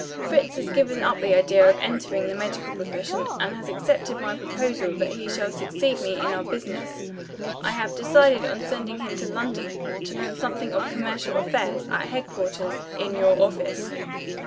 Fritz has given up the idea of entering the medical profession, and has accepted my proposal that he shall succeed me in our business. I have decided on sending him to London, to learn something of commercial affairs, at headquarters, in your office.